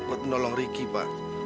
untuk menolong riki pak